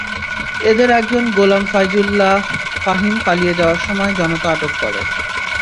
এদের একজন গোলাম ফাইজুল্লাহ ফাহিম পালিয়ে যাওয়ার সময় জনতা আটক করে।